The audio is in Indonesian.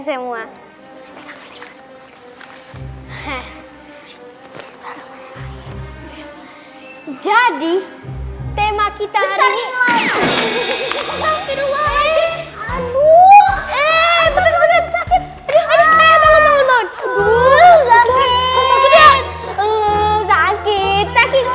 semua jadi tema kita ini